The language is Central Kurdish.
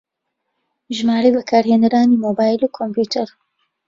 ژمارەی بەکارهێنەرانی مۆبایل و کۆمپیوتەر